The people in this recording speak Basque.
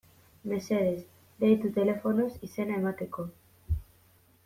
Mesedez, deitu telefonoz izena emateko.